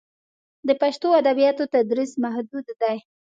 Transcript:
د پښتو ادبیاتو تدریس محدود دی.